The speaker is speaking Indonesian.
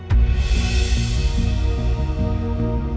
apa perusahaan ini